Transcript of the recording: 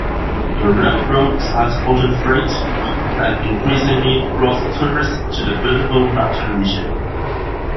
The railroad transported freight, and increasingly brought tourists to the beautiful mountain region.